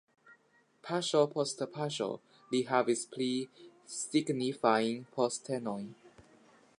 Paŝo post paŝo li havis pli signifajn postenojn.